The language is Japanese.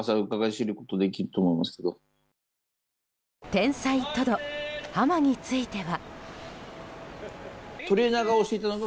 天才トド、ハマについては。